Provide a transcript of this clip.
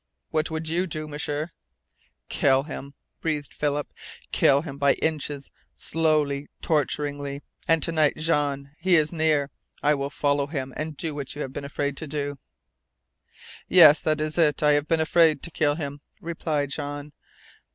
"What would you do, M'sieur?" "Kill him," breathed Philip. "Kill him by inches, slowly, torturingly. And to night, Jean. He is near. I will follow him, and do what you have been afraid to do." "Yes, that is it, I have been afraid to kill him," replied Jean.